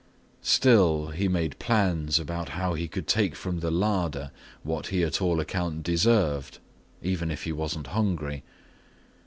Still, he made plans about how he could take from the larder what he at all account deserved, even if he wasn't hungry.